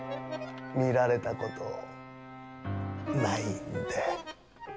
見られたことないんで。